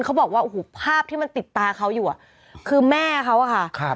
เขาบอกว่าโอ้โหภาพที่มันติดตาเขาอยู่อ่ะคือแม่เขาอะค่ะครับ